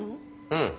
うん。